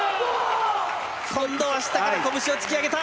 今度は下から拳を突き上げた！